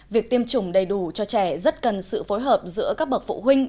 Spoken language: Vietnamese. việc tiêm chủng đầy đủ cho trẻ rất cần sự phối hợp giữa các bậc phụ huynh